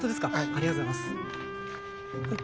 ありがとうございます。